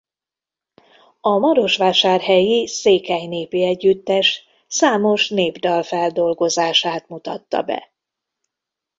A marosvásárhelyi Székely Népi Együttes számos népdalfeldolgozását mutatta be.